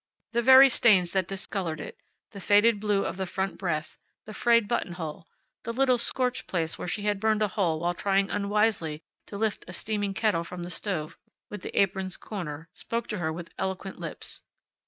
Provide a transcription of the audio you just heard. The very stains that discolored it, the faded blue of the front breadth, the frayed buttonhole, the little scorched place where she had burned a hole when trying unwisely to lift a steaming kettle from the stove with the apron's corner, spoke to her with eloquent lips.